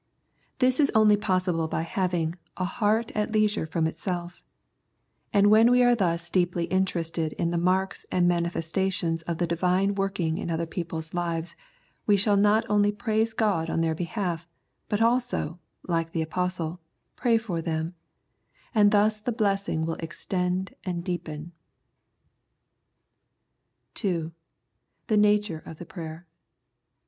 This is only possible by having " a heart at leisure from itself "; and when we are thus deeply interested in the marks and manifestations of the Divine working in other people's lives we shall not only praise God on their behalf, but also, like the Apostle, pray for them ; and thus the blessing will extend and deepen. 2. The Nature of the Prayer.